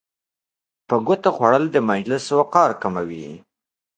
په ګوتو خوړل د مجلس وقار کموي.